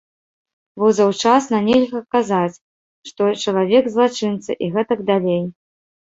Бо заўчасна нельга казаць, што чалавек злачынца і гэтак далей.